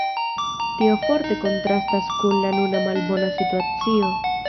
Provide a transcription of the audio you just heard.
Tio forte kontrastas kun la nuna malbona situacio.